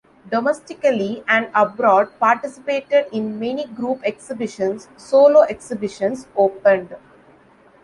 Domestically and abroad, participated in many group exhibitions, solo exhibitions opened.